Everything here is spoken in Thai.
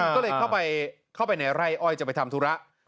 ก็เลยเข้าไปในไร่อ้อยจะไปทำธุระ